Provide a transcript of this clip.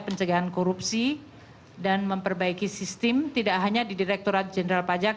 pencegahan korupsi dan memperbaiki sistem tidak hanya di direkturat jenderal pajak